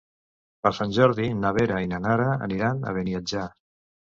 Per Sant Jordi na Vera i na Nara aniran a Beniatjar.